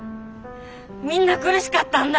みんな苦しかったんだ。